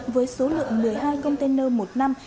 với số lượng một mươi hai container một năm